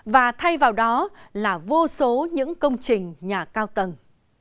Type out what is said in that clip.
và thay vào đó là vô số những công trình nhà cao tầng